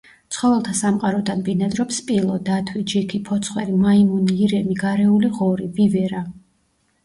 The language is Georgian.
ცხოველთა სამყაროდან ბინადრობს სპილო, დათვი, ჯიქი, ფოცხვერი, მაიმუნი, ირემი, გარეული ღორი, ვივერა.